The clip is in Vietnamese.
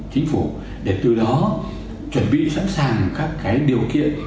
chính phủ để từ đó chuẩn bị sẵn sàng các điều kiện